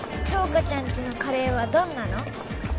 杏花ちゃんちのカレーはどんなの？